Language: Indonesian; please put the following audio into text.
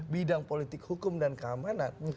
bidang politik hukum dan keamanan